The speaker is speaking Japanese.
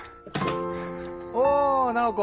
おおナオコ。